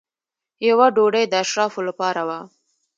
یوه ډوډۍ د اشرافو لپاره وه.